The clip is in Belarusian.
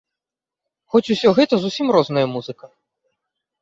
Хоць усё гэта зусім розная музыка!